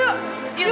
yuk yuk yuk